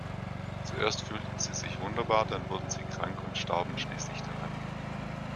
Zuerst fühlten sie sich wunderbar, dann wurden sie krank und starben schließlich daran.